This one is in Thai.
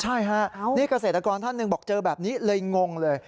ใช่ฮะนี่เกษตรกรท่านหนึ่งบอกเจอแบบนี้เลยงงเลย